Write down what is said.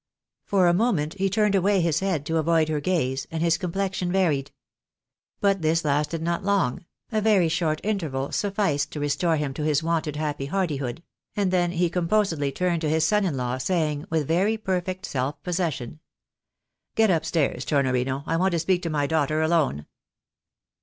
For a moment he turned away his head to avoid her gaze, and his complexion varied. But this lasted not long ; a very short interval sufficed to restore him to his wonted happy hardihood ; and then he composedly turned to his son in law, saying, with very perfect self possession —" Get up stairs, Tornorino ; I want to speak to my daughter alone."